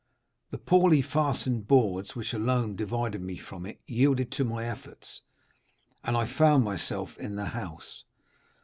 The poorly fastened boards which alone divided me from it yielded to my efforts, and I found myself in the house.